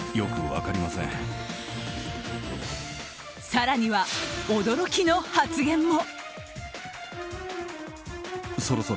更には、驚きの発言も。